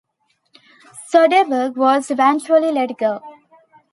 Soderbergh was eventually let go.